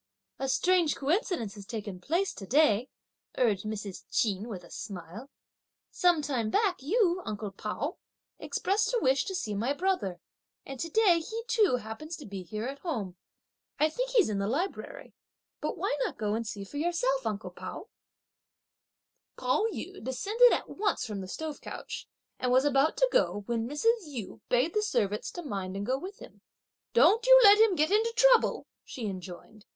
"A strange coincidence has taken place to day," urged Mrs. Ch'in, with a smile; "some time back you, uncle Pao, expressed a wish to see my brother, and to day he too happens to be here at home. I think he's in the library; but why not go and see for yourself, uncle Pao?" Pao yü descended at once from the stove couch, and was about to go, when Mrs. Yu bade the servants to mind and go with him. "Don't you let him get into trouble," she enjoined.